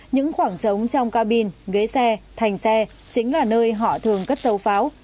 những khoảng trống trong cabin ghế xe thành xe chính là nơi họ thường cất dấu pháo